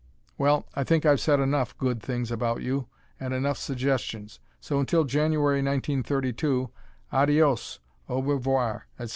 Well, I think I've said enough good things about you and enough suggestions, so until January 1932, adios, au revoir, etc.